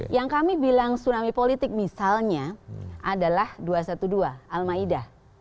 yang kami bilang tsunami politik misalnya adalah dua ratus dua belas al ma'idah